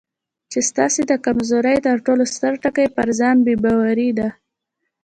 چې ستاسې د کمزورۍ تر ټولو ستر ټکی پر ځان بې باوري ده.